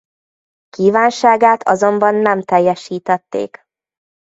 Kívánságát azonban nem teljesítették.